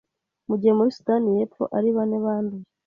mu gihe muri Sudani y’Epfo ari bane banduye.